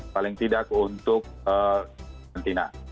paling tidak untuk kantina